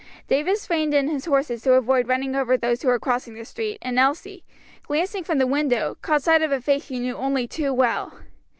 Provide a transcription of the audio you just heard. Davis reined in his horses to avoid running over those who were crossing the street, and Elsie, glancing from the window, caught sight of a face she knew only too well.